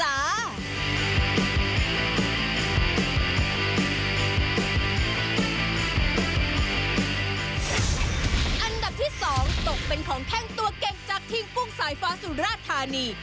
อันดับที่๒ตกเป็นของแข้งตัวเก่งจากทีมกุ้งสายฟ้าสุราธานี